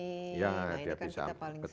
nah ini kan kita paling